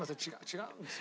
違うんですよ。